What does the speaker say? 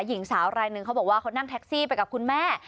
หญิงสาวรายหนึ่งเขาบอกว่าเขานั่งแท็กซี่ไปกับคุณแม่